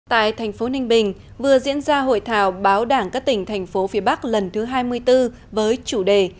tại thành phố ninh bình vừa diễn ra hội thảo báo đảng các tỉnh thành phố phía bắc lần thứ hai mươi bốn với chủ đề